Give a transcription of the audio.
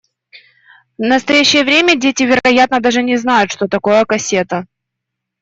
В настоящее время дети, вероятно, даже не знают, что такое кассета.